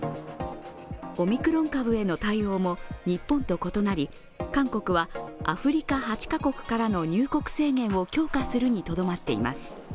オミクロン株への対応も日本と異なり、韓国は、アフリカ８カ国からの入国制限を強化するにとどまっています。